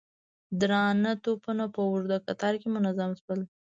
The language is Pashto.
درانه توپونه په اوږده کتار کې منظم شول.